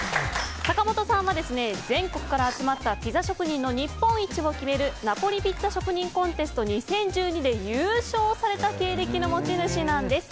坂本さんは全国から集まったピザ職人の日本一を決めるナポリピッツァ職人コンテスト２０１２で優勝された経歴の持ち主なんです。